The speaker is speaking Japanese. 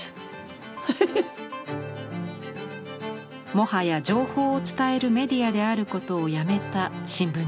もはや情報を伝えるメディアであることをやめた新聞の姿。